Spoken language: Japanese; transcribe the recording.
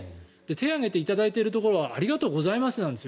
手を挙げていただいているところはありがとうございますなんです